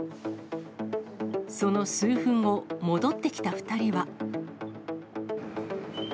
その数分後、戻ってきた２人は。